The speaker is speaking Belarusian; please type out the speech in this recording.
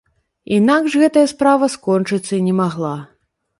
Інакш гэтая справа скончыцца і не магла.